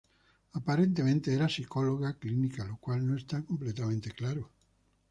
Aparentemente era psicóloga clínica, lo cual no está completamente claro.